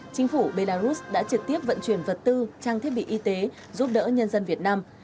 chính phủ belarus đã trực tiếp vận chuyển vật tư trang thiết bị y tế giúp đỡ nhân dân việt nam